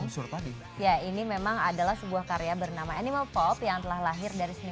unsur tadi ya ini memang adalah sebuah karya bernama animal pop yang telah lahir dari